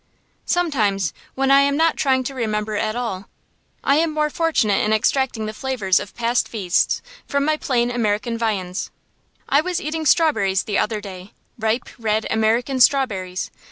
Sometimes, when I am not trying to remember at all, I am more fortunate in extracting the flavors of past feasts from my plain American viands. I was eating strawberries the other day, ripe, red American strawberries.